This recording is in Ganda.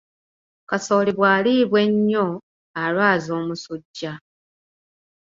Kasooli bwaliibwa ennyo alwaza omusujja.